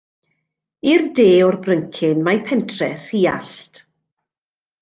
I'r de o'r bryncyn mae pentref Rhuallt.